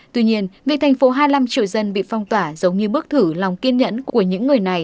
tuy nhiên việc thành phố hai mươi năm triệu dân bị phong tỏa giống như bước thử lòng kiên nhẫn của những người này